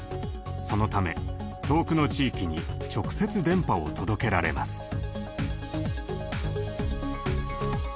そのため遠くの地域に直接電波を届けられます。